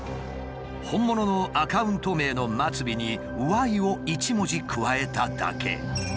本物のアカウント名の末尾に「ｙ」を１文字加えただけ。